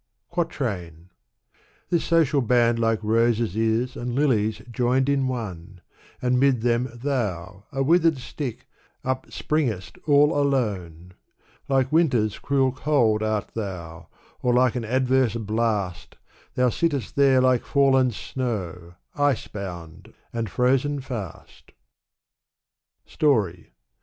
Quatrain. This social band like roses is and lilies joined in one, And mid them thou, a withered stick, upspringest all alone; Like winter's cruel cold art thou, or like an adverse blast, — Thou sittest there like Men snow, ice bound and frozen fast" Story.